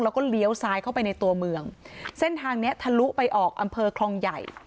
แล้วก็เลี้ยวซ้ายเข้าไปในตัวเมืองเส้นทางเนี้ยทะลุไปออกอำเภอคลองใหญ่